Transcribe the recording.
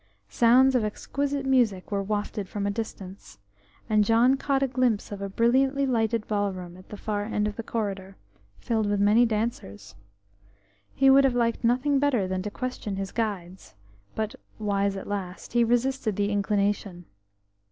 Sounds of exquisite music were wafted from a distance, and John caught a glimpse of a brilliantly lighted ballroom at the far end of the corridor, filled with many dancers. He would have liked nothing better than to question his guides, but, wise at last, he resisted the inclination.